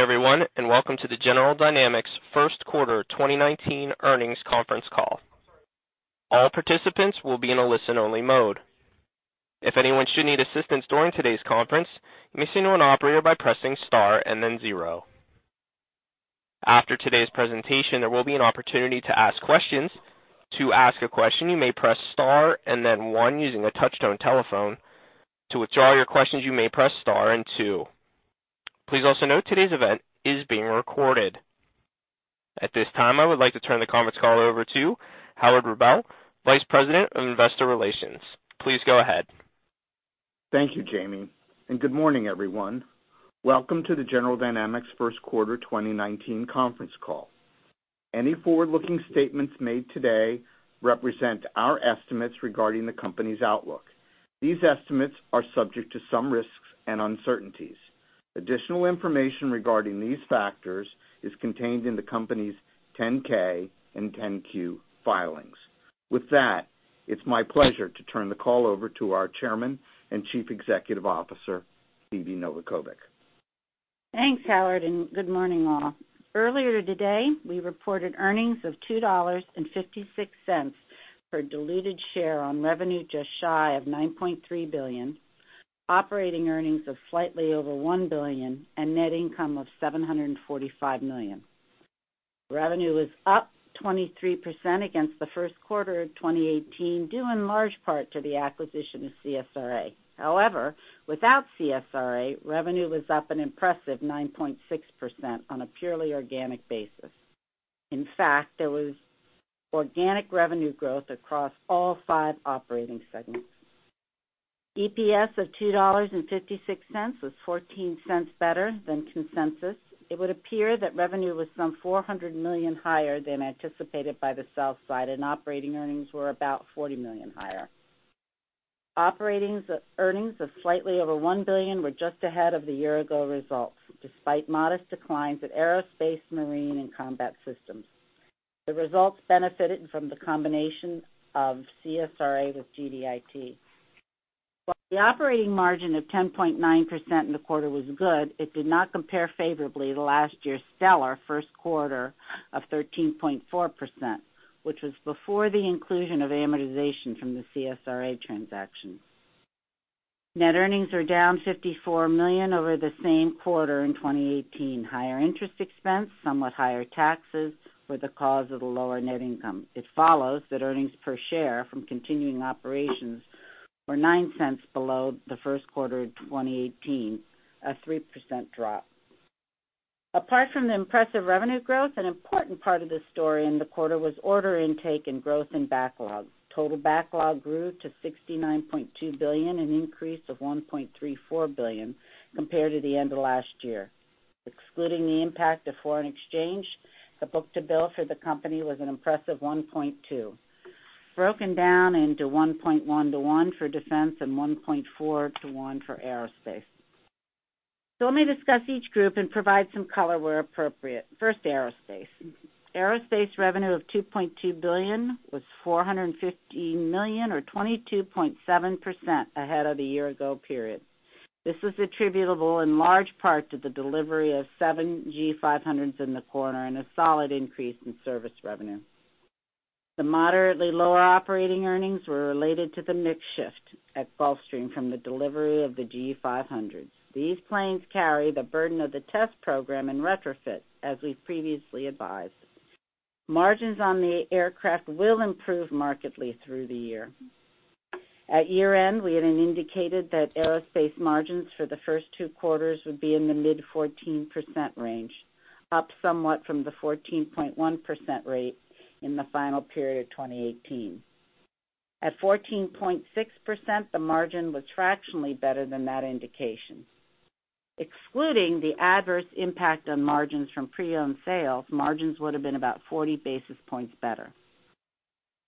Everyone, welcome to the General Dynamics first quarter 2019 earnings conference call. All participants will be in a listen-only mode. If anyone should need assistance during today's conference, you may signal an operator by pressing star and then zero. After today's presentation, there will be an opportunity to ask questions. To ask a question, you may press star and then one using a touch-tone telephone. To withdraw your questions, you may press star and two. Please also note today's event is being recorded. At this time, I would like to turn the conference call over to Howard Rubel, Vice President of Investor Relations. Please go ahead. Thank you, Jamie, good morning, everyone. Welcome to the General Dynamics first quarter 2019 conference call. Any forward-looking statements made today represent our estimates regarding the company's outlook. These estimates are subject to some risks and uncertainties. Additional information regarding these factors is contained in the company's 10-K and 10-Q filings. With that, it's my pleasure to turn the call over to our Chairman and Chief Executive Officer, Phebe Novakovic. Thanks, Howard, good morning, all. Earlier today, we reported earnings of $2.56 per diluted share on revenue just shy of $9.3 billion, operating earnings of slightly over $1 billion, net income of $745 million. Revenue was up 23% against the first quarter of 2018, due in large part to the acquisition of CSRA. Without CSRA, revenue was up an impressive 9.6% on a purely organic basis. In fact, there was organic revenue growth across all five operating segments. EPS of $2.56 was $0.14 better than consensus. It would appear that revenue was some $400 million higher than anticipated by the sell side, operating earnings were about $40 million higher. Operating earnings of slightly over $1 billion were just ahead of the year-ago results, despite modest declines at Aerospace, Marine, and Combat Systems. The results benefited from the combination of CSRA with GDIT. While the operating margin of 10.9% in the quarter was good, it did not compare favorably to last year's stellar first quarter of 13.4%, which was before the inclusion of amortization from the CSRA transaction. Net earnings are down $54 million over the same quarter in 2018. Higher interest expense, somewhat higher taxes were the cause of the lower net income. It follows that earnings per share from continuing operations were $0.09 below the first quarter of 2018, a 3% drop. Apart from the impressive revenue growth, an important part of the story in the quarter was order intake and growth in backlog. Total backlog grew to $69.2 billion, an increase of $1.34 billion compared to the end of last year. Excluding the impact of foreign exchange, the book-to-bill for the company was an impressive 1.2, broken down into 1.1 to one for defense and 1.4 to one for aerospace. Let me discuss each group and provide some color where appropriate. First, aerospace. Aerospace revenue of $2.2 billion was $450 million, or 22.7%, ahead of the year-ago period. This was attributable in large part to the delivery of seven G500s in the quarter and a solid increase in service revenue. The moderately lower operating earnings were related to the mix shift at Gulfstream from the delivery of the G500. These planes carry the burden of the test program and retrofit, as we've previously advised. Margins on the aircraft will improve markedly through the year. At year-end, we had indicated that aerospace margins for the first two quarters would be in the mid 14% range, up somewhat from the 14.1% rate in the final period of 2018. At 14.6%, the margin was fractionally better than that indication. Excluding the adverse impact on margins from pre-owned sales, margins would have been about 40 basis points better.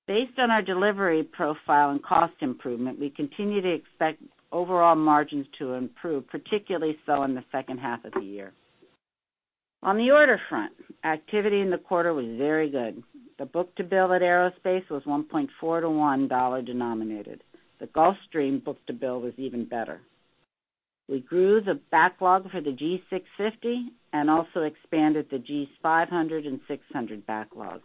Based on our delivery profile and cost improvement, we continue to expect overall margins to improve, particularly so in the second half of the year. On the order front, activity in the quarter was very good. The book-to-bill at Aerospace was 1.4 to one USD denominated. The Gulfstream book-to-bill was even better. We grew the backlog for the G650 and also expanded the G500 and G600 backlog.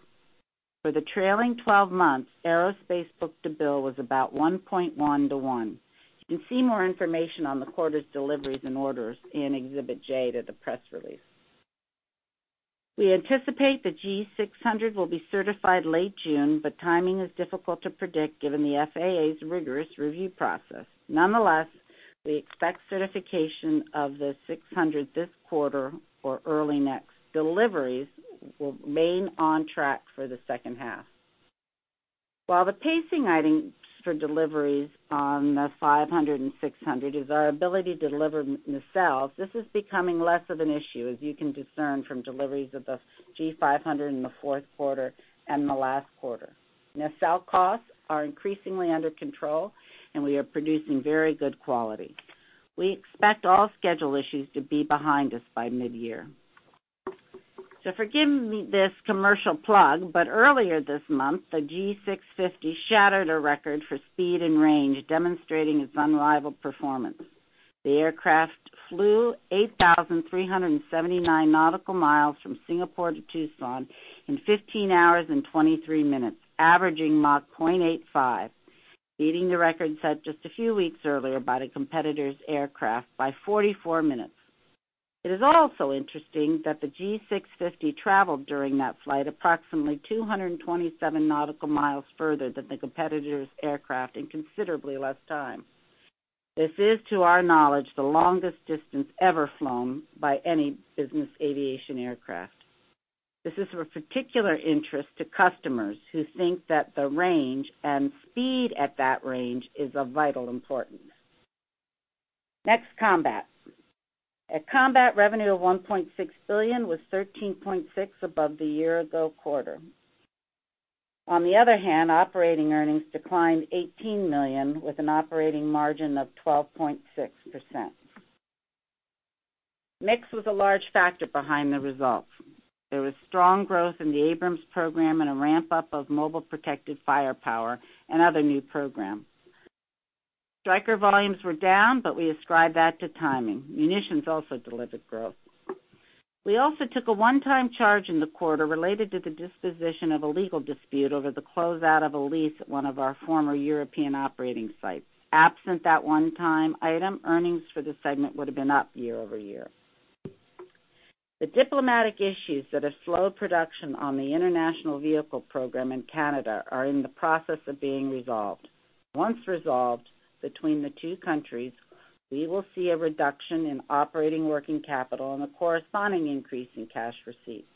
For the trailing 12 months, Aerospace book-to-bill was about 1.1 to one. You can see more information on the quarter's deliveries and orders in Exhibit J to the press release. We anticipate the G600 will be certified late June, but timing is difficult to predict given the FAA's rigorous review process. Nonetheless, we expect certification of the G600 this quarter or early next. Deliveries will remain on track for the second half. While the pacing item for deliveries on the G500 and G600 is our ability to deliver nacelles, this is becoming less of an issue, as you can discern from deliveries of the G500 in the fourth quarter and the last quarter. Nacelle costs are increasingly under control, and we are producing very good quality. We expect all schedule issues to be behind us by mid-year. Forgive me this commercial plug, but earlier this month, the G650 shattered a record for speed and range, demonstrating its unrivaled performance. The aircraft flew 8,379 nautical miles from Singapore to Tucson in 15 hours and 23 minutes, averaging Mach 0.85, beating the record set just a few weeks earlier by the competitor's aircraft by 44 minutes. It is also interesting that the G650 traveled during that flight approximately 227 nautical miles further than the competitor's aircraft in considerably less time. This is, to our knowledge, the longest distance ever flown by any business aviation aircraft. This is of particular interest to customers who think that the range and speed at that range is of vital importance. Next, Combat. At Combat, revenue of $1.6 billion, was 13.6% above the year ago quarter. On the other hand, operating earnings declined $18 million, with an operating margin of 12.6%. Mix was a large factor behind the results. There was strong growth in the Abrams program and a ramp-up of Mobile Protected Firepower and other new programs. Stryker volumes were down, but we ascribe that to timing. Munitions also delivered growth. We also took a one-time charge in the quarter related to the disposition of a legal dispute over the closeout of a lease at one of our former European operating sites. Absent that one-time item, earnings for the segment would have been up year-over-year. The diplomatic issues that have slowed production on the international vehicle program in Canada are in the process of being resolved. Once resolved between the two countries, we will see a reduction in operating working capital and a corresponding increase in cash receipts.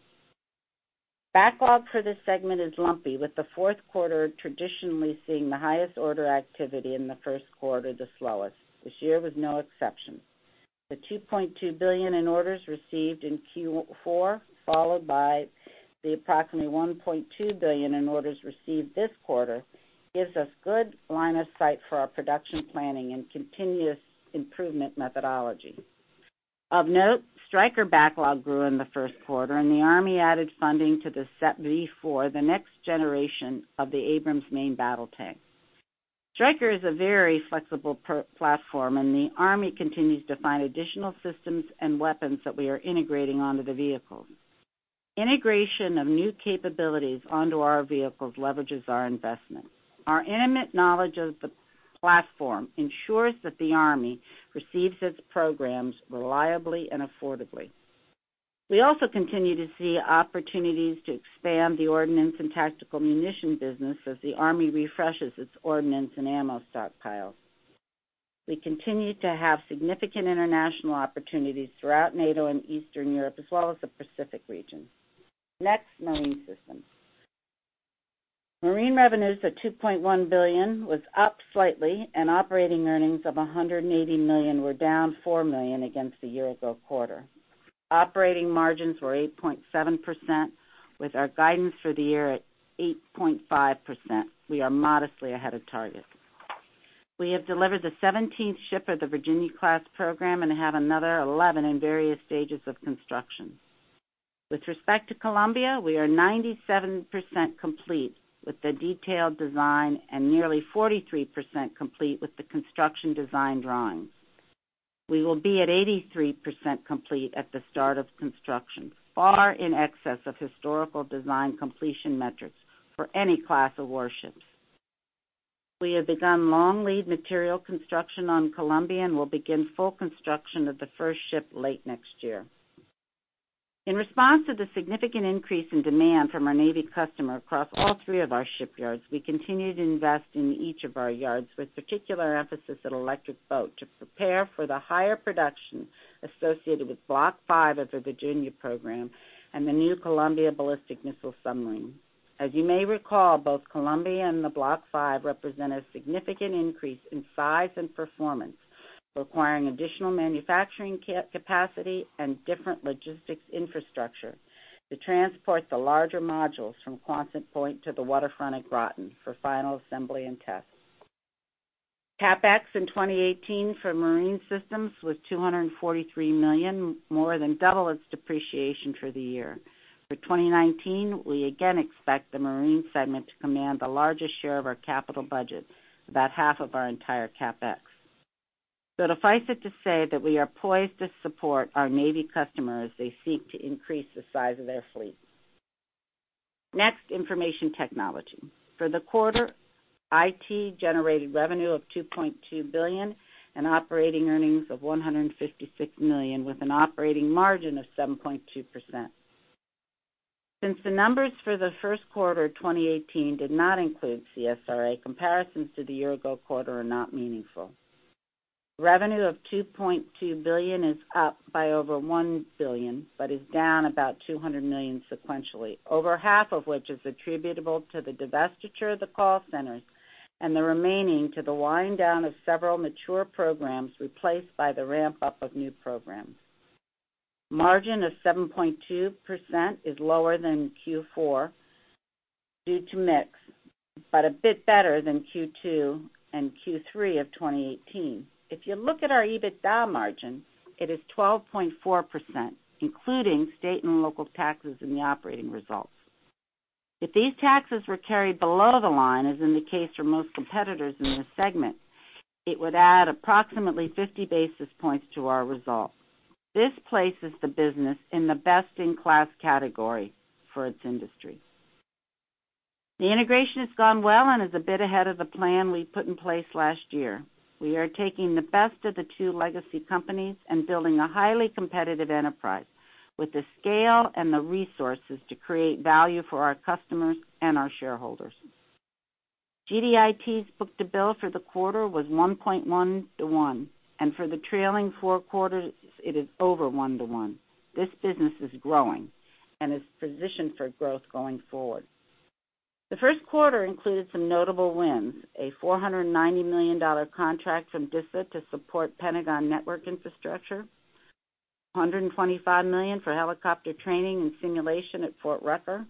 Backlog for this segment is lumpy, with the fourth quarter traditionally seeing the highest order activity and the first quarter the slowest. This year was no exception. The $2.2 billion in orders received in Q4, followed by the approximately $1.2 billion in orders received this quarter, gives us good line of sight for our production planning and continuous improvement methodology. Of note, Stryker backlog grew in the first quarter, and the Army added funding to the SEPv4, the next generation of the Abrams main battle tank. Stryker is a very flexible platform, and the Army continues to find additional systems and weapons that we are integrating onto the vehicles. Integration of new capabilities onto our vehicles leverages our investment. Our intimate knowledge of the platform ensures that the Army receives its programs reliably and affordably. We also continue to see opportunities to expand the ordnance and tactical munition business as the Army refreshes its ordnance and ammo stockpiles. We continue to have significant international opportunities throughout NATO and Eastern Europe, as well as the Pacific region. Next, Marine Systems. Marine revenues at $2.1 billion was up slightly, and operating earnings of $180 million were down $4 million against the year-ago quarter. Operating margins were 8.7%, with our guidance for the year at 8.5%. We are modestly ahead of target. We have delivered the 17th ship of the Virginia Class program and have another 11 in various stages of construction. With respect to Columbia, we are 97% complete with the detailed design and nearly 43% complete with the construction design drawings. We will be at 83% complete at the start of construction, far in excess of historical design completion metrics for any class of warships. We have begun long-lead material construction on Columbia and will begin full construction of the first ship late next year. In response to the significant increase in demand from our Navy customer across all three of our shipyards, we continue to invest in each of our yards, with particular emphasis at Electric Boat to prepare for the higher production associated with Block V of the Virginia program and the new Columbia ballistic missile submarine. As you may recall, both Columbia and the Block V represent a significant increase in size and performance, requiring additional manufacturing capacity and different logistics infrastructure to transport the larger modules from Quonset Point to the waterfront at Groton for final assembly and test. CapEx in 2018 for Marine Systems was $243 million, more than double its depreciation for the year. For 2019, we again expect the Marine segment to command the largest share of our capital budget, about half of our entire CapEx. Suffice it to say that we are poised to support our Navy customers as they seek to increase the size of their fleet. Information Technology. For the quarter, IT generated revenue of $2.2 billion and operating earnings of $156 million, with an operating margin of 7.2%. Since the numbers for the first quarter 2018 did not include CSRA, comparisons to the year-ago quarter are not meaningful. Revenue of $2.2 billion is up by over $1 billion, but is down about $200 million sequentially, over half of which is attributable to the divestiture of the call centers and the remaining to the wind-down of several mature programs replaced by the ramp-up of new programs. Margin of 7.2% is lower than in Q4. Due to mix, but a bit better than Q2 and Q3 of 2018. If you look at our EBITDA margin, it is 12.4%, including state and local taxes in the operating results. If these taxes were carried below the line, as in the case for most competitors in this segment, it would add approximately 50 basis points to our result. This places the business in the best-in-class category for its industry. The integration has gone well and is a bit ahead of the plan we put in place last year. We are taking the best of the two legacy companies and building a highly competitive enterprise with the scale and the resources to create value for our customers and our shareholders. GDIT's book-to-bill for the quarter was 1.1 to 1, and for the trailing four quarters, it is over 1 to 1. This business is growing and is positioned for growth going forward. The first quarter included some notable wins, a $490 million contract from DISA to support Pentagon network infrastructure, $125 million for helicopter training and simulation at Fort Rucker,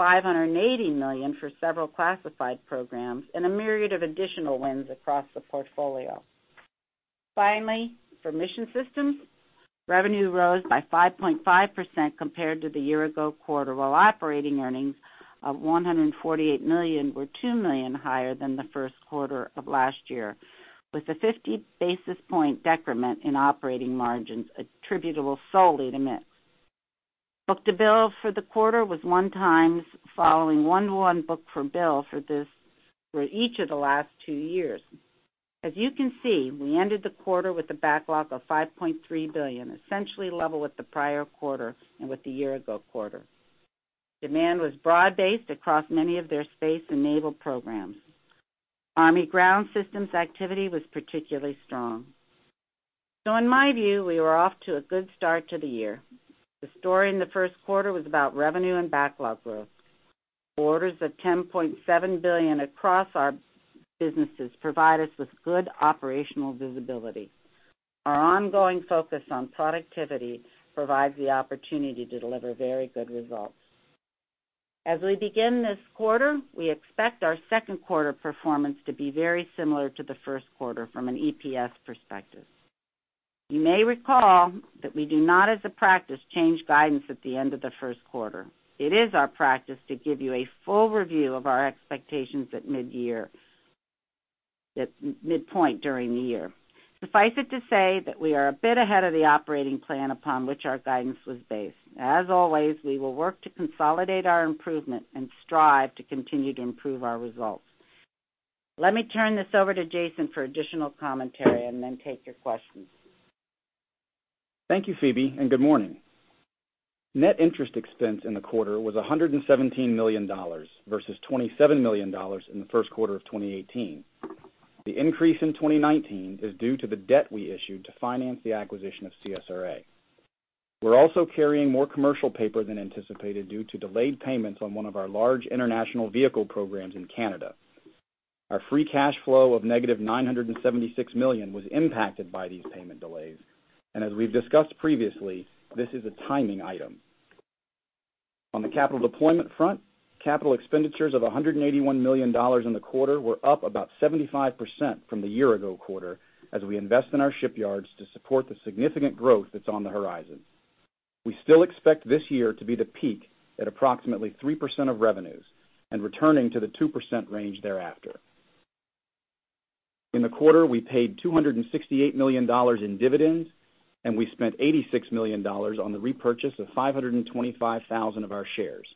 $580 million for several classified programs, and a myriad of additional wins across the portfolio. For Mission Systems, revenue rose by 5.5% compared to the year-ago quarter, while operating earnings of $148 million were $2 million higher than the first quarter of last year, with a 50 basis point decrement in operating margins attributable solely to mix. Book-to-bill for the quarter was 1 times following 1-to-1 book-to-bill for each of the last two years. As you can see, we ended the quarter with a backlog of $5.3 billion, essentially level with the prior quarter and with the year-ago quarter. Demand was broad-based across many of their space and naval programs. Army ground systems activity was particularly strong. In my view, we were off to a good start to the year. The story in the first quarter was about revenue and backlog growth. Orders of $10.7 billion across our businesses provide us with good operational visibility. Our ongoing focus on productivity provides the opportunity to deliver very good results. As we begin this quarter, we expect our second quarter performance to be very similar to the first quarter from an EPS perspective. You may recall that we do not, as a practice, change guidance at the end of the first quarter. It is our practice to give you a full review of our expectations at mid-year, at midpoint during the year. Suffice it to say that we are a bit ahead of the operating plan upon which our guidance was based. As always, we will work to consolidate our improvement and strive to continue to improve our results. Let me turn this over to Jason for additional commentary and take your questions. Thank you, Phebe, good morning. Net interest expense in the quarter was $117 million versus $27 million in the first quarter of 2018. The increase in 2019 is due to the debt we issued to finance the acquisition of CSRA. We're also carrying more commercial paper than anticipated due to delayed payments on one of our large international vehicle programs in Canada. Our free cash flow of negative $976 million was impacted by these payment delays, as we've discussed previously, this is a timing item. On the capital deployment front, capital expenditures of $181 million in the quarter were up about 75% from the year-ago quarter, as we invest in our shipyards to support the significant growth that's on the horizon. We still expect this year to be the peak at approximately 3% of revenues and returning to the 2% range thereafter. In the quarter, we paid $268 million in dividends, we spent $86 million on the repurchase of 525,000 of our shares.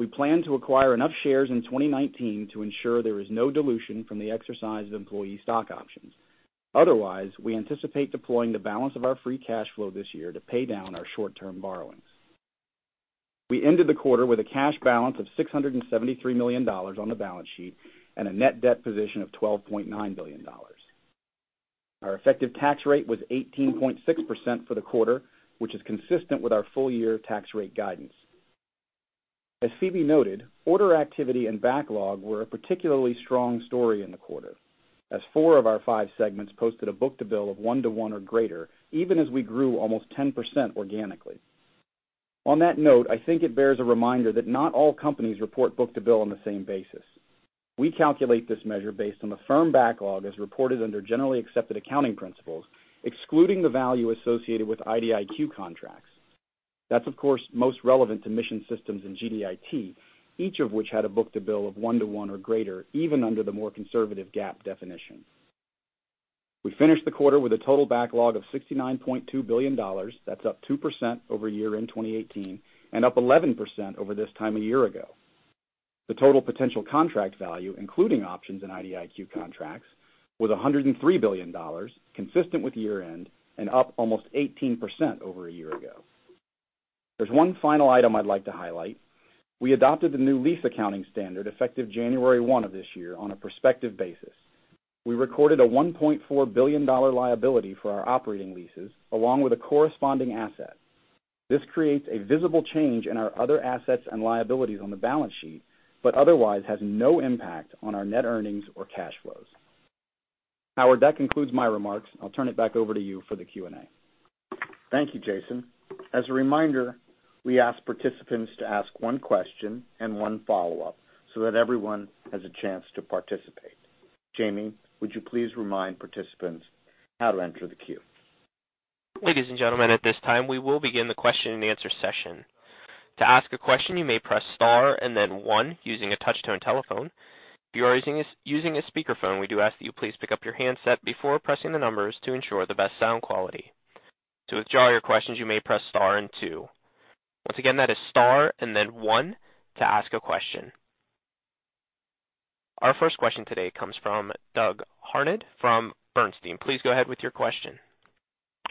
We plan to acquire enough shares in 2019 to ensure there is no dilution from the exercise of employee stock options. Otherwise, we anticipate deploying the balance of our free cash flow this year to pay down our short-term borrowings. We ended the quarter with a cash balance of $673 million on the balance sheet and a net debt position of $12.9 billion. Our effective tax rate was 18.6% for the quarter, which is consistent with our full-year tax rate guidance. As Phebe noted, order activity and backlog were a particularly strong story in the quarter, as four of our five segments posted a book-to-bill of one to one or greater, even as we grew almost 10% organically. On that note, I think it bears a reminder that not all companies report book-to-bill on the same basis. We calculate this measure based on the firm backlog as reported under generally accepted accounting principles, excluding the value associated with IDIQ contracts. That's, of course, most relevant to Mission Systems and GDIT, each of which had a book-to-bill of one to one or greater, even under the more conservative GAAP definition. We finished the quarter with a total backlog of $69.2 billion. That's up 2% over year-end 2018, up 11% over this time a year ago. The total potential contract value, including options in IDIQ contracts, was $103 billion, consistent with year end, up almost 18% over a year ago. There's one final item I'd like to highlight. We adopted the new lease accounting standard effective January 1 of this year on a prospective basis. We recorded a $1.4 billion liability for our operating leases, along with a corresponding asset. This creates a visible change in our other assets and liabilities on the balance sheet, but otherwise has no impact on our net earnings or cash flows. Howard, that concludes my remarks. I'll turn it back over to you for the Q&A. Thank you, Jason. As a reminder, we ask participants to ask one question and one follow-up so that everyone has a chance to participate. Jamie, would you please remind participants how to enter the queue? Ladies and gentlemen, at this time, we will begin the question and answer session. To ask a question, you may press star and then one using a touch-tone telephone. If you are using a speakerphone, we do ask that you please pick up your handset before pressing the numbers to ensure the best sound quality. To withdraw your questions, you may press star and two. Once again, that is star and then one to ask a question. Our first question today comes from Doug Harned from Bernstein. Please go ahead with your question.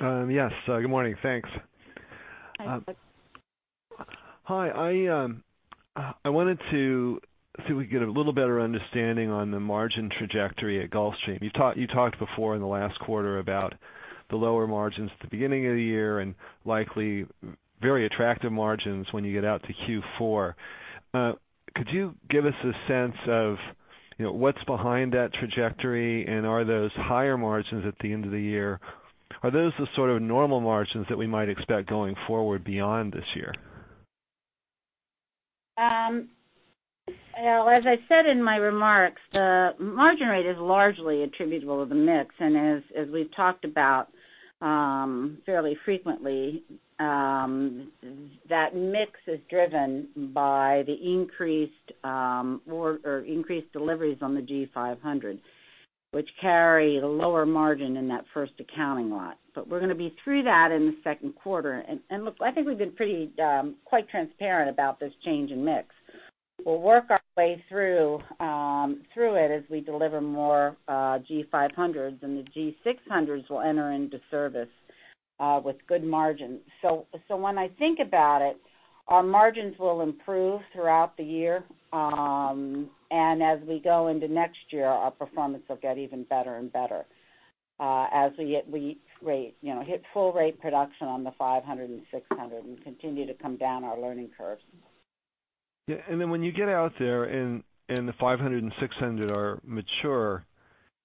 Yes. Good morning. Thanks. Hi, Doug. Hi. I wanted to see if we could get a little better understanding on the margin trajectory at Gulfstream. You talked before in the last quarter about the lower margins at the beginning of the year, and likely very attractive margins when you get out to Q4. Could you give us a sense of what's behind that trajectory? Are those higher margins at the end of the year, are those the sort of normal margins that we might expect going forward beyond this year? As I said in my remarks, the margin rate is largely attributable to the mix, as we've talked about fairly frequently, that mix is driven by the increased deliveries on the G500, which carry a lower margin in that first accounting lot. We're going to be through that in the second quarter. Look, I think we've been quite transparent about this change in mix. We'll work our way through it as we deliver more G500s, and the G600s will enter into service with good margins. When I think about it, our margins will improve throughout the year. As we go into next year, our performance will get even better and better, as we hit full rate production on the 500 and 600 and continue to come down our learning curves. When you get out there and the G500 and G600 are mature,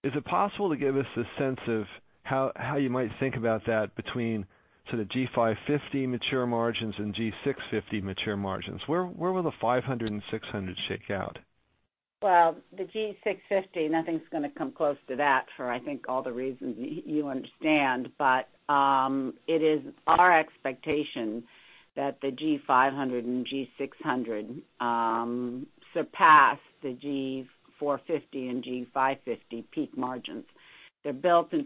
is it possible to give us a sense of how you might think about that between sort of G550 mature margins and G650 mature margins? Where will the G500 and G600 shake out? The G650, nothing's going to come close to that for, I think, all the reasons you understand. It is our expectation that the G500 and G600 surpass the G450 and G550 peak margins. They're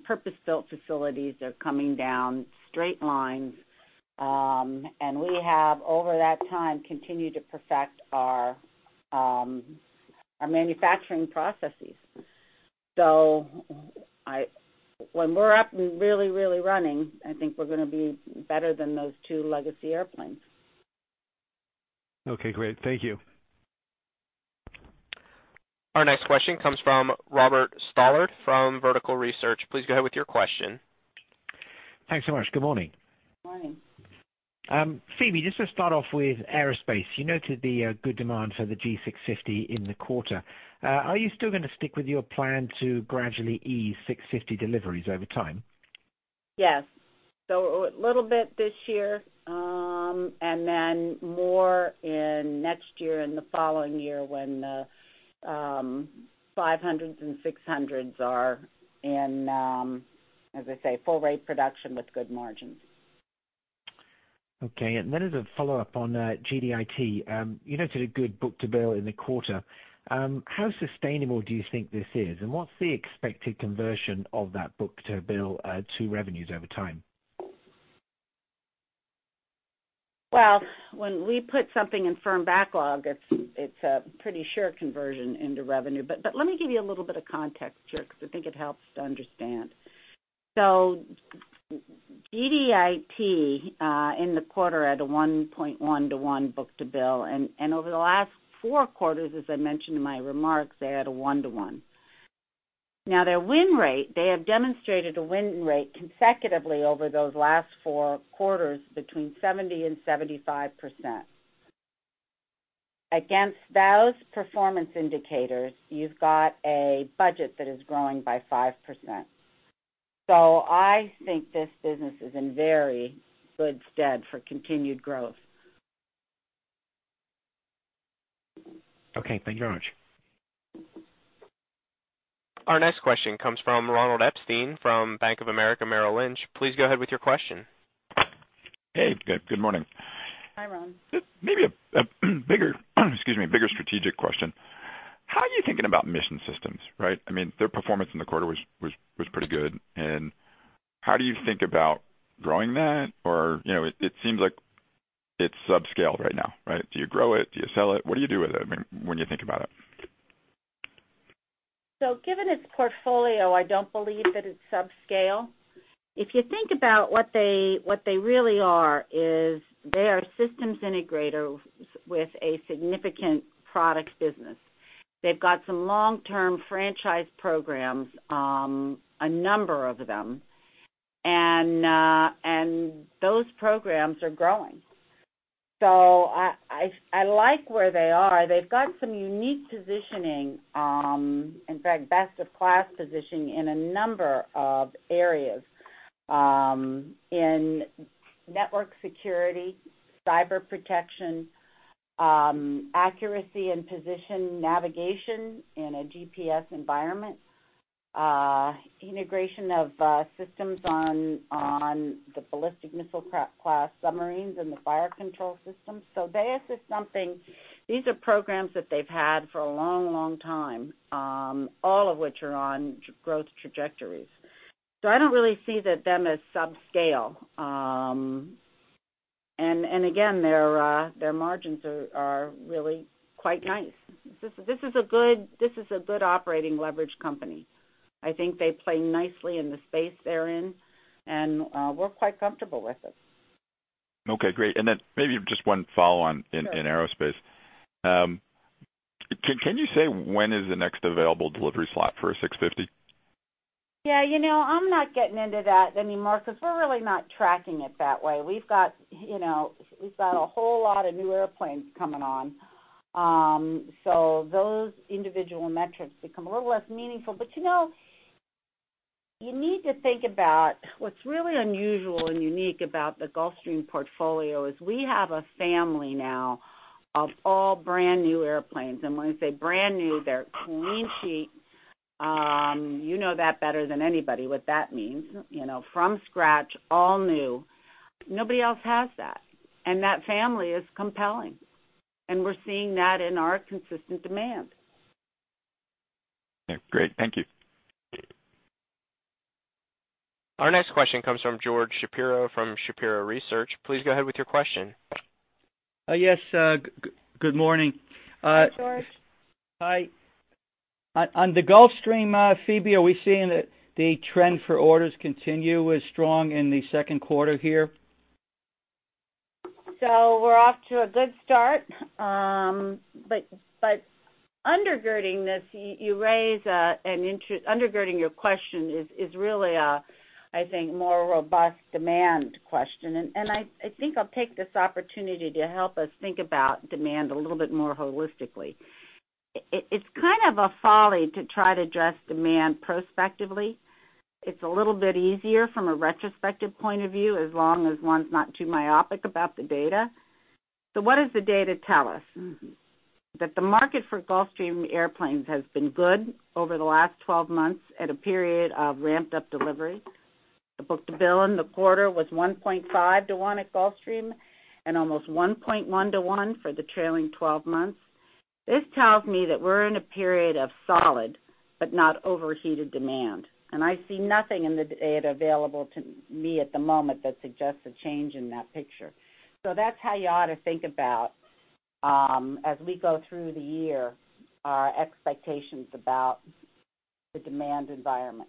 purpose-built facilities. They're coming down straight lines. We have, over that time, continued to perfect our manufacturing processes. When we're up and really running, I think we're going to be better than those two legacy airplanes. Great. Thank you. Our next question comes from Robert Stallard from Vertical Research Partners. Please go ahead with your question. Thanks so much. Good morning. Morning. Phebe, just to start off with aerospace. You noted the good demand for the G650 in the quarter. Are you still going to stick with your plan to gradually ease 650 deliveries over time? Yes. A little bit this year, then more in next year and the following year when the 500s and 600s are in, as I say, full rate production with good margins. Okay. As a follow-up on GDIT. You noted a good book-to-bill in the quarter. How sustainable do you think this is, and what's the expected conversion of that book-to-bill to revenues over time? When we put something in firm backlog, it's a pretty sure conversion into revenue. Let me give you a little bit of context here because I think it helps to understand. GDIT in the quarter had a 1.1 to 1 book-to-bill, and over the last 4 quarters, as I mentioned in my remarks, they had a 1 to 1. Their win rate, they have demonstrated a win rate consecutively over those last 4 quarters between 70% and 75%. Against those performance indicators, you've got a budget that is growing by 5%. I think this business is in very good stead for continued growth. Thank you very much. Our next question comes from Ronald Epstein from Bank of America Merrill Lynch. Please go ahead with your question. Hey. Good morning. Hi, Ron. Maybe a bigger strategic question. How are you thinking about Mission Systems? Right? Their performance in the quarter was pretty good. How do you think about growing that? It seems like it's subscale right now, right? Do you grow it? Do you sell it? What do you do with it when you think about it? Given its portfolio, I don't believe that it's subscale. If you think about what they really are is they are systems integrators with a significant products business. They've got some long-term franchise programs, a number of them, those programs are growing. I like where they are. They've got some unique positioning, in fact, best-of-class positioning in a number of areas. In network security, cyber protection, accuracy and position navigation in a GPS environment, integration of systems on the ballistic missile class submarines and the fire control systems. They assist something. These are programs that they've had for a long, long time, all of which are on growth trajectories. I don't really see them as subscale. Again, their margins are really quite nice. This is a good operating leverage company. I think they play nicely in the space they're in, and we're quite comfortable with it. Okay, great. Maybe just one follow-on in Aerospace. Sure. Can you say when is the next available delivery slot for a 650? Yeah. I'm not getting into that anymore because we're really not tracking it that way. We've got a whole lot of new airplanes coming on. Those individual metrics become a little less meaningful. You need to think about what's really unusual and unique about the Gulfstream portfolio is we have a family now of all brand-new airplanes. When I say brand new, they're clean sheet. You know that better than anybody, what that means. From scratch, all new. Nobody else has that, and that family is compelling, and we're seeing that in our consistent demand. Okay, great. Thank you. Our next question comes from George Shapiro from Shapiro Research. Please go ahead with your question. Yes, good morning. Hi, George. Hi. On the Gulfstream, Phebe, are we seeing that the trend for orders continue as strong in the second quarter here? We're off to a good start. Undergirding this, Undergirding your question is really a, I think, more robust demand question. I think I'll take this opportunity to help us think about demand a little bit more holistically. It's kind of a folly to try to address demand prospectively. It's a little bit easier from a retrospective point of view, as long as one's not too myopic about the data. What does the data tell us? That the market for Gulfstream airplanes has been good over the last 12 months at a period of ramped-up delivery. The book-to-bill in the quarter was 1.5 to one at Gulfstream and almost 1.1 to one for the trailing 12 months. This tells me that we're in a period of solid but not overheated demand. I see nothing in the data available to me at the moment that suggests a change in that picture. That's how you ought to think about, as we go through the year, our expectations about the demand environment.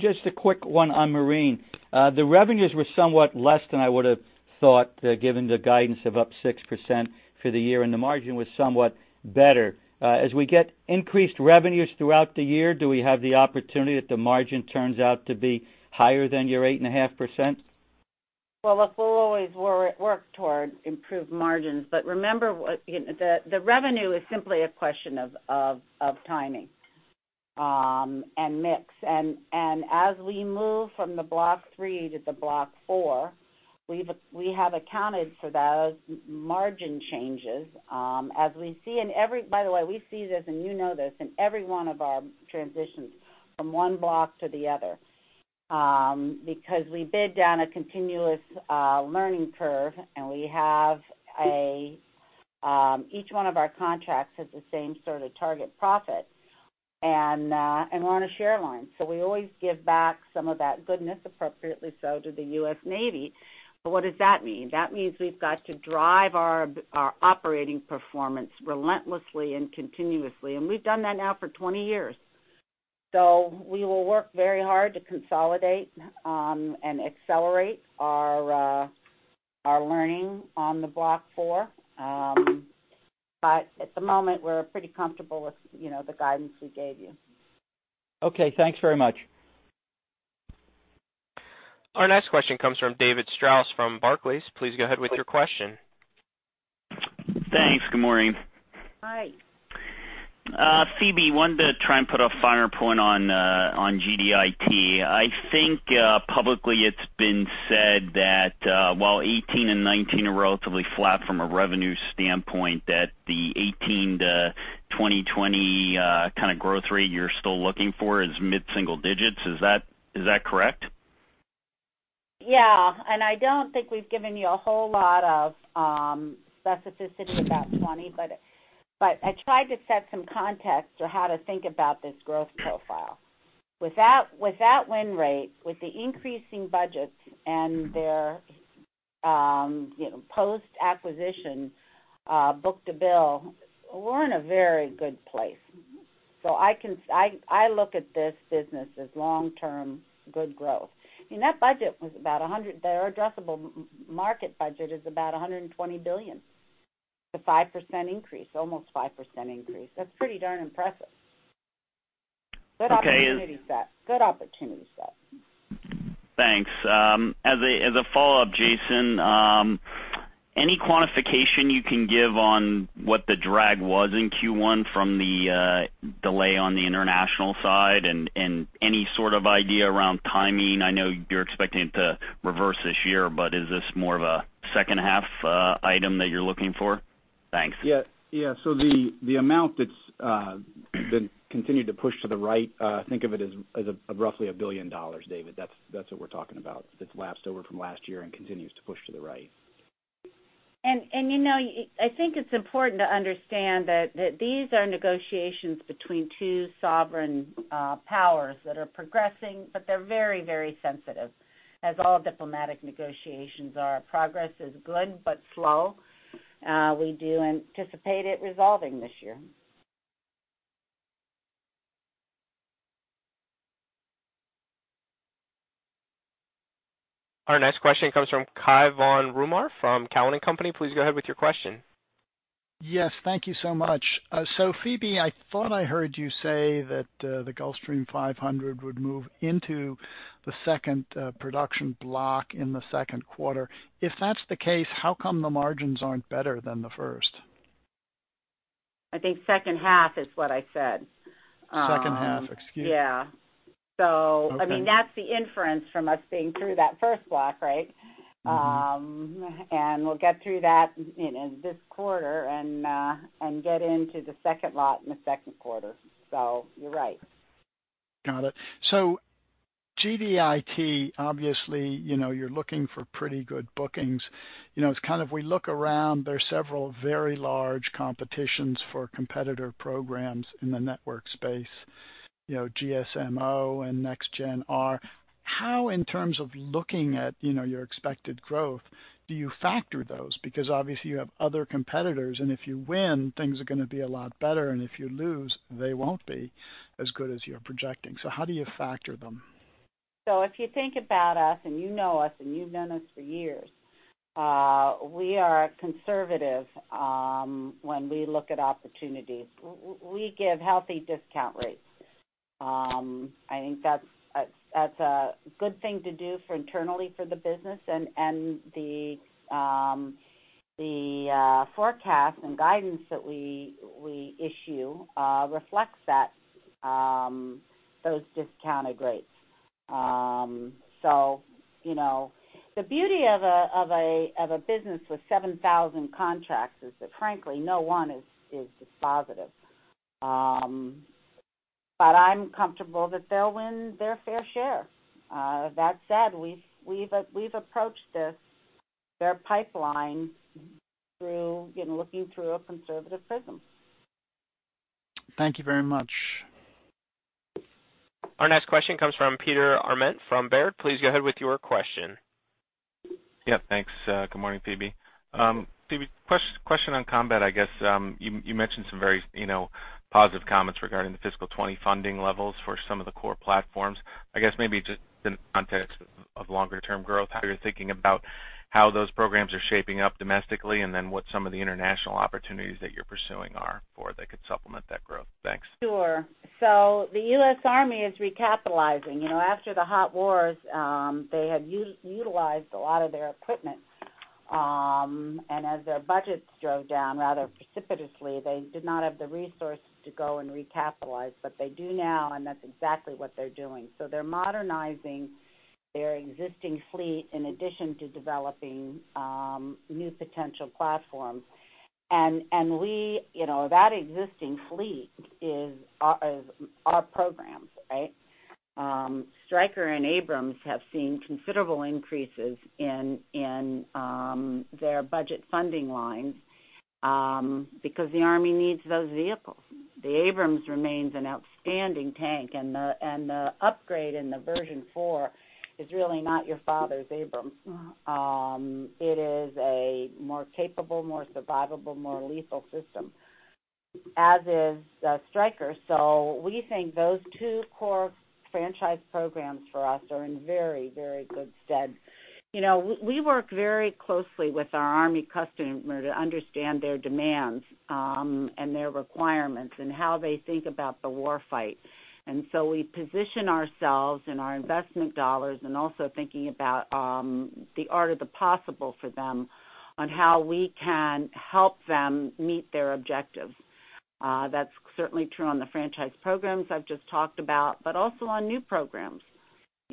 Just a quick one on Marine. The revenues were somewhat less than I would have thought, given the guidance of up 6% for the year. The margin was somewhat better. As we get increased revenues throughout the year, do we have the opportunity that the margin turns out to be higher than your 8.5%? Look, we'll always work toward improved margins, remember, the revenue is simply a question of timing and mix. As we move from the Block III to the Block IV, we have accounted for those margin changes. By the way, we see this, and you know this, in every one of our transitions from one block to the other, because we bid down a continuous learning curve. Each one of our contracts has the same sort of target profit, and we're on a share line. We always give back some of that goodness, appropriately so, to the U.S. Navy. What does that mean? That means we've got to drive our operating performance relentlessly and continuously. We've done that now for 20 years. We will work very hard to consolidate and accelerate our learning on the Block IV. At the moment, we're pretty comfortable with the guidance we gave you. Okay, thanks very much. Our next question comes from David Strauss from Barclays. Please go ahead with your question. Thanks. Good morning. Hi. Phebe, wanted to try and put a finer point on GDIT. I think publicly it's been said that while 2018 and 2019 are relatively flat from a revenue standpoint, that the 2018 to 2020 kind of growth rate you're still looking for is mid-single digits. Is that correct? I don't think we've given you a whole lot of specificity about 2020, but I tried to set some context for how to think about this growth profile. With that win rate, with the increasing budgets and their post-acquisition book-to-bill, we're in a very good place. I look at this business as long-term good growth. I mean, that budget was about $100. Their addressable market budget is about $120 billion. It's a 5% increase, almost 5% increase. That's pretty darn impressive. Good opportunity set. Thanks. As a follow-up, Jason, any quantification you can give on what the drag was in Q1 from the delay on the international side, and any sort of idea around timing? I know you're expecting it to reverse this year, but is this more of a second half item that you're looking for? Thanks. The amount that's been continued to push to the right, think of it as roughly $1 billion, David. That's what we're talking about. That's lapsed over from last year and continues to push to the right. I think it's important to understand that these are negotiations between two sovereign powers that are progressing, but they're very sensitive, as all diplomatic negotiations are. Progress is good, but slow. We do anticipate it resolving this year. Our next question comes from Cai von Rumohr from Cowen and Company. Please go ahead with your question. Yes, thank you so much. Phebe, I thought I heard you say that the Gulfstream 500 would move into the second production block in the second quarter. If that's the case, how come the margins aren't better than the first? I think second half is what I said. Second half. Excuse me. Yeah. Okay. That's the inference from us being through that first Block, right? We'll get through that in this quarter and get into the second lot in the second quarter. You're right. Got it. GDIT, obviously, you're looking for pretty good bookings. As kind of we look around, there are several very large competitions for competitor programs in the network space, GSM-O and NextGen are. How, in terms of looking at your expected growth, do you factor those? Because obviously you have other competitors, and if you win, things are going to be a lot better, and if you lose, they won't be as good as you're projecting. How do you factor them? If you think about us, and you know us, and you've known us for years, we are conservative when we look at opportunities. We give healthy discount rates. I think that's a good thing to do internally for the business, and the forecast and guidance that we issue reflects those discounted rates. The beauty of a business with 7,000 contracts is that frankly, no one is dispositive. I'm comfortable that they'll win their fair share. That said, we've approached their pipeline through looking through a conservative prism. Thank you very much. Our next question comes from Peter Arment from Baird. Please go ahead with your question. Yeah, thanks. Good morning, Phebe. Phebe, question on combat, I guess. You mentioned some very positive comments regarding the fiscal 2020 funding levels for some of the core platforms. I guess maybe just in the context of longer-term growth, how you're thinking about how those programs are shaping up domestically, then what some of the international opportunities that you're pursuing are for that could supplement that growth. Thanks. Sure. The U.S. Army is recapitalizing. After the hot wars, they had utilized a lot of their equipment. As their budgets drove down rather precipitously, they did not have the resources to go and recapitalize, but they do now, and that's exactly what they're doing. They're modernizing their existing fleet in addition to developing new potential platforms. That existing fleet is our programs, right? Stryker and Abrams have seen considerable increases in their budget funding lines, because the Army needs those vehicles. The Abrams remains an outstanding tank, and the upgrade in the version 4 is really not your father's Abrams. It is a more capable, more survivable, more lethal system, as is Stryker. We think those two core franchise programs for us are in very good stead. We work very closely with our Army customer to understand their demands, and their requirements, and how they think about the war fight. We position ourselves and our investment dollars, and also thinking about the art of the possible for them on how we can help them meet their objectives. That's certainly true on the franchise programs I've just talked about, but also on new programs.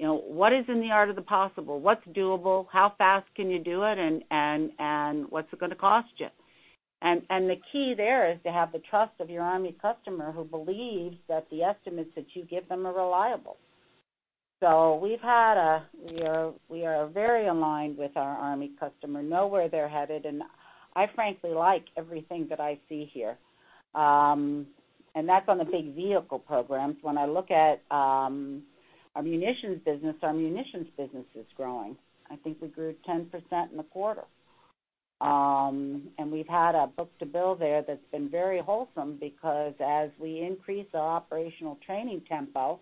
What is in the art of the possible? What's doable? How fast can you do it, and what's it going to cost you? The key there is to have the trust of your Army customer who believes that the estimates that you give them are reliable. We are very aligned with our Army customer, know where they're headed, and I frankly like everything that I see here. That's on the big vehicle programs. When I look at our munitions business, our munitions business is growing. I think we grew 10% in the quarter. We've had a book-to-bill there that's been very wholesome because as we increase our operational training tempo.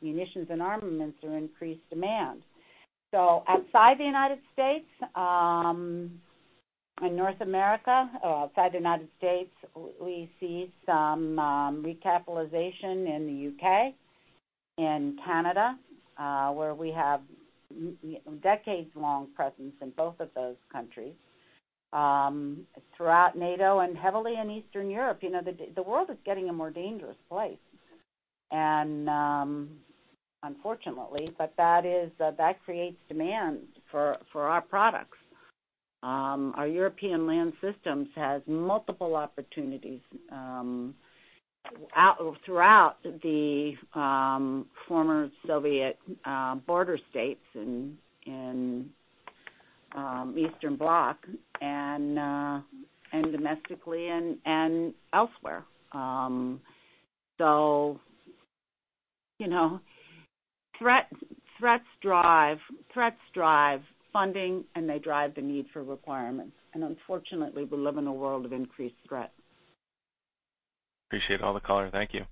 Munitions and armaments are increased demand. Outside the U.S., in North America, outside the U.S., we see some recapitalization in the U.K., in Canada, where we have decades-long presence in both of those countries, throughout NATO and heavily in Eastern Europe. The world is getting a more dangerous place, unfortunately, but that creates demand for our products. Our European land systems has multiple opportunities throughout the former Soviet border states in Eastern Bloc and domestically and elsewhere. Threats drive funding, and they drive the need for requirements. Unfortunately, we live in a world of increased threats. Appreciate all the color. Thank you.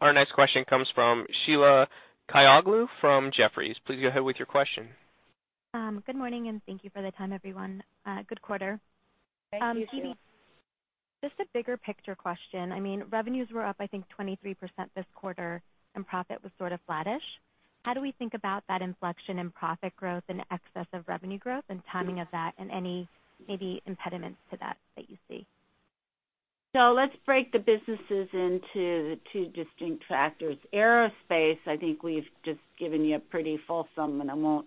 Our next question comes from Sheila Kahyaoglu from Jefferies. Please go ahead with your question. Good morning, and thank you for the time, everyone. Good quarter. Thank you, Sheila. Phebe, just a bigger picture question. Revenues were up, I think 23% this quarter, and profit was sort of flattish. How do we think about that inflection in profit growth in excess of revenue growth and timing of that and any maybe impediments to that that you see? Let's break the businesses into the two distinct factors. Aerospace, I think we've just given you a pretty fulsome, and I won't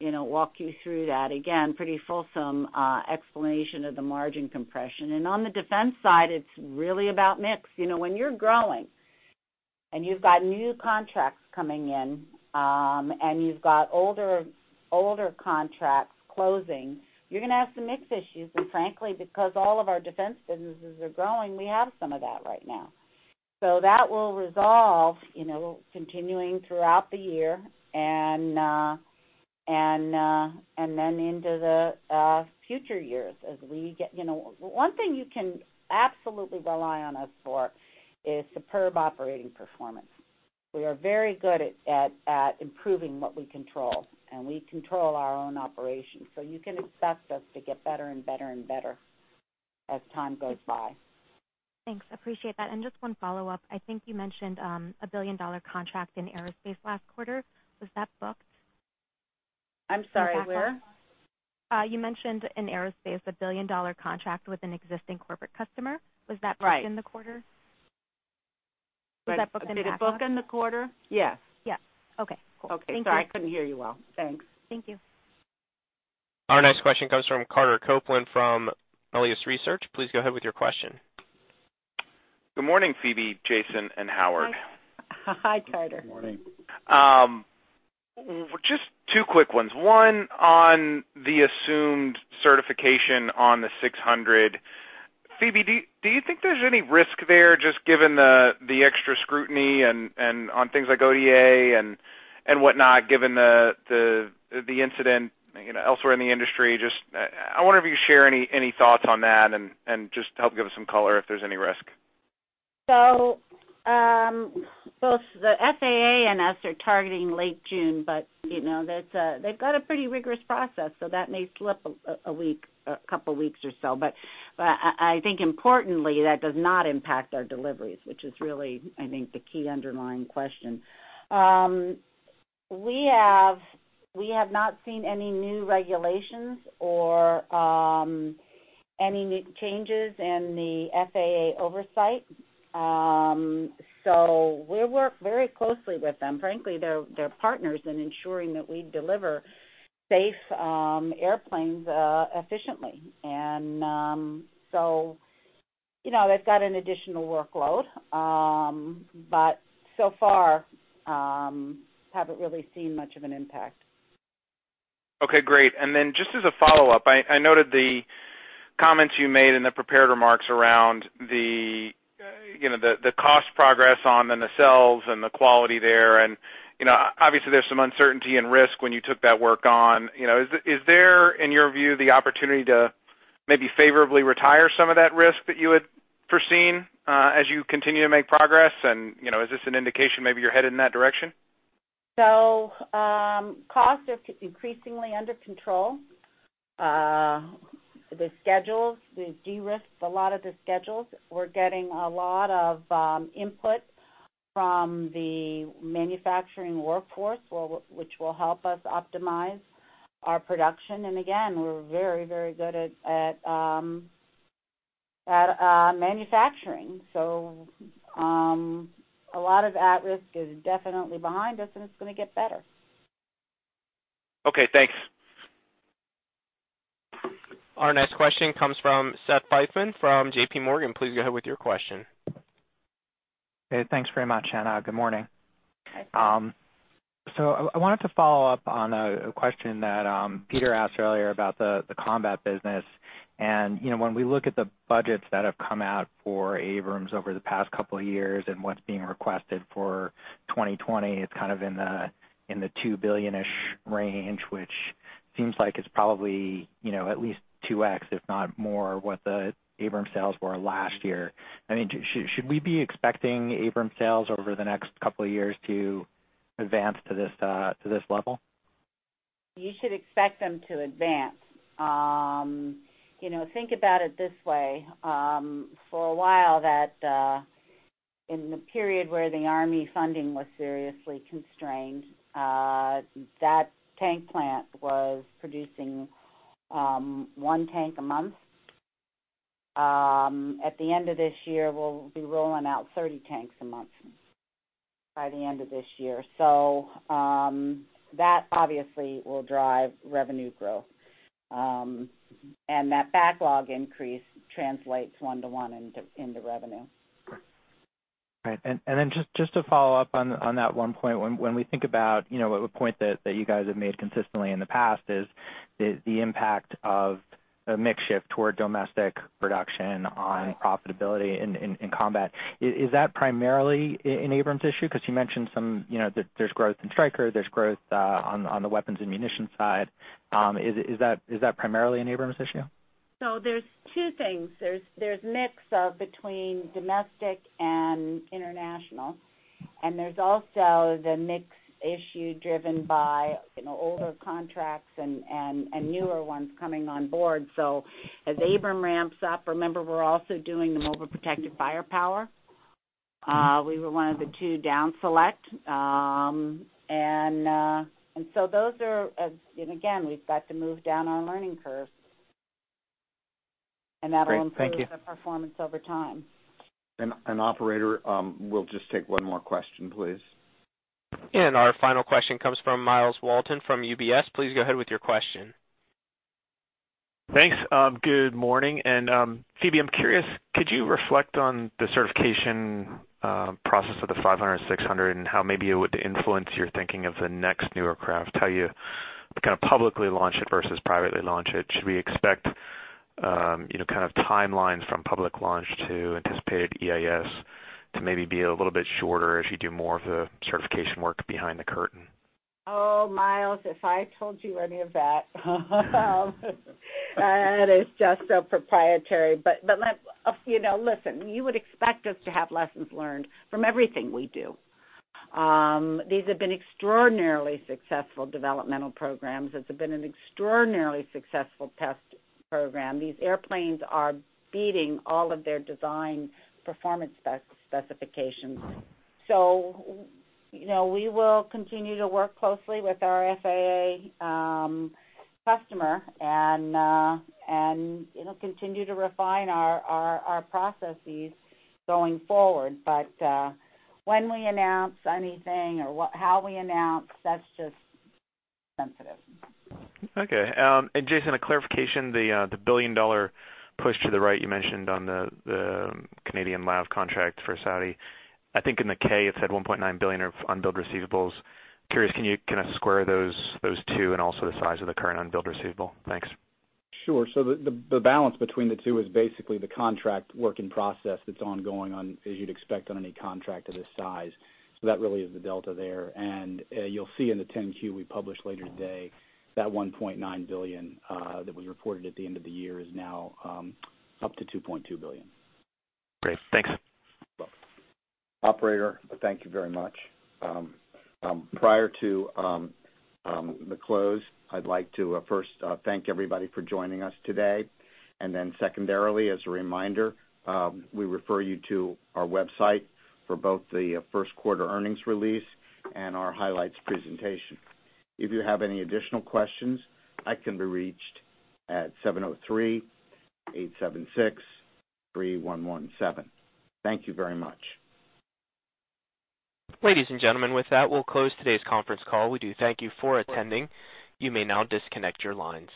walk you through that again, pretty fulsome explanation of the margin compression. On the defense side, it's really about mix. When you're growing and you've got new contracts coming in, and you've got older contracts closing, you're going to have some mix issues. Frankly, because all of our defense businesses are growing, we have some of that right now. That will resolve, continuing throughout the year, and then into the future years. One thing you can absolutely rely on us for is superb operating performance. We are very good at improving what we control, and we control our own operations. You can expect us to get better and better and better as time goes by. Thanks. Appreciate that. Just one follow-up. I think you mentioned a billion-dollar contract in aerospace last quarter. Was that booked? I'm sorry, where? You mentioned in aerospace, a billion-dollar contract with an existing corporate customer. Right. Was that booked in the quarter? Did it book in the quarter? Yes. Yes. Okay, cool. Thank you. Sorry, I couldn't hear you well. Thanks. Thank you. Our next question comes from Carter Copeland from Melius Research. Please go ahead with your question. Good morning, Phebe, Jason, and Howard. Hi, Carter. Good morning. Just two quick ones. One on the assumed certification on the 600. Phebe, do you think there's any risk there, just given the extra scrutiny and on things like ODA and whatnot, given the incident elsewhere in the industry? Just, I wonder if you share any thoughts on that and just to help give us some color if there's any risk. Both the FAA and us are targeting late June, they've got a pretty rigorous process, that may slip a week, a couple of weeks or so. I think importantly, that does not impact our deliveries, which is really, I think, the key underlying question. We have not seen any new regulations or any new changes in the FAA oversight. We work very closely with them. Frankly, they're partners in ensuring that we deliver safe airplanes efficiently. They've got an additional workload. So far, haven't really seen much of an impact. Okay, great. Just as a follow-up, I noted the comments you made in the prepared remarks around the cost progress on the nacelles and the quality there. Obviously, there's some uncertainty and risk when you took that work on. Is there, in your view, the opportunity to maybe favorably retire some of that risk that you had foreseen as you continue to make progress? Is this an indication maybe you're headed in that direction? Costs are increasingly under control. The schedules, we de-risked a lot of the schedules. We're getting a lot of input from the manufacturing workforce, which will help us optimize our production. Again, we're very good at manufacturing. A lot of at-risk is definitely behind us, and it's going to get better. Okay, thanks. Our next question comes from Seth Seifman from J.P. Morgan. Please go ahead with your question. Hey, thanks very much, good morning. Hi. I wanted to follow up on a question that Peter asked earlier about the Combat Systems business. When we look at the budgets that have come out for Abrams over the past couple of years and what's being requested for 2020, it's kind of in the $2 billion-ish range, which seems like it's probably at least 2x, if not more, what the Abrams sales were last year. Should we be expecting Abrams sales over the next couple of years to advance to this level? You should expect them to advance. Think about it this way. For a while, in the period where the Army funding was seriously constrained, that tank plant was producing one tank a month. At the end of this year, we'll be rolling out 30 tanks a month by the end of this year. That obviously will drive revenue growth. That backlog increase translates one to one into revenue. Right. Just to follow up on that one point, when we think about a point that you guys have made consistently in the past is the impact of a mix shift toward domestic production on profitability in combat. Is that primarily an Abrams issue? Because you mentioned there's growth in Stryker, there's growth on the weapons and munition side. Is that primarily an Abrams issue? There's two things. There's mix of between domestic and international, and there's also the mix issue driven by older contracts and newer ones coming on board. As Abrams ramps up, remember we're also doing the Mobile Protected Firepower. We were one of the two down-select. Again, we've got to move down our learning curve. Great. Thank you. That'll improve the performance over time. Operator, we'll just take one more question, please. Our final question comes from Myles Walton from UBS. Please go ahead with your question. Thanks. Good morning. Phebe, I'm curious, could you reflect on the certification process of the 500 and 600 and how maybe it would influence your thinking of the next new aircraft, how you kind of publicly launch it versus privately launch it? Should we expect kind of timelines from public launch to anticipated EIS to maybe be a little bit shorter as you do more of the certification work behind the curtain? Oh, Myles, if I told you any of that is just so proprietary. Listen, you would expect us to have lessons learned from everything we do. These have been extraordinarily successful developmental programs, this has been an extraordinarily successful test program. These airplanes are beating all of their design performance specifications. We will continue to work closely with our FAA customer and continue to refine our processes going forward. When we announce anything or how we announce, that's just sensitive. Okay. Jason, a clarification, the billion-dollar push to the right you mentioned on the Canadian LAV contract for Saudi, I think in the K it said $1.9 billion of unbilled receivables. Curious, can you kind of square those two and also the size of the current unbilled receivable? Thanks. Sure. The balance between the two is basically the contract work in process that's ongoing as you'd expect on any contract of this size. That really is the delta there. You'll see in the 10-Q we publish later today, that $1.9 billion that we reported at the end of the year is now up to $2.2 billion. Great. Thanks. You're welcome. Operator, thank you very much. Prior to the close, I'd like to first thank everybody for joining us today. Secondarily, as a reminder, we refer you to our website for both the first quarter earnings release and our highlights presentation. If you have any additional questions, I can be reached at 703-876-3117. Thank you very much. Ladies and gentlemen, with that, we'll close today's conference call. We do thank you for attending. You may now disconnect your lines.